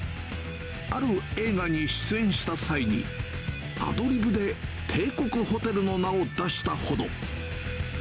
ある映画に出演した際に、アドリブで帝国ホテルの名を出したほど。